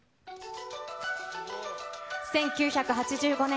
１９８５年、